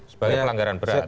sebagai pelanggaran berat